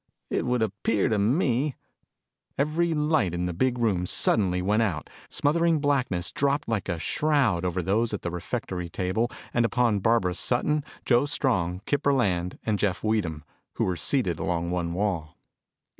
It would appear to me " Every light in the big room suddenly went out. Smothering blackness dropped like a shroud over those at the refectory table and upon Barbara Sutton, Joe Strong, Kip Burland, and Jeff Weedham who were seated along one wall.